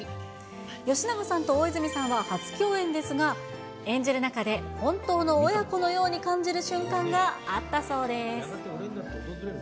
吉永さんと大泉さんは初共演ですが、演じる中で本当の親子のように感じる瞬間があったそうです。